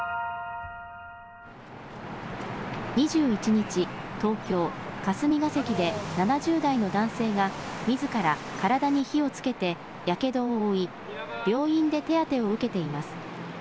２１日、東京霞が関で７０代の男性がみずから体に火をつけてやけどを負い、病院で手当てを受けています。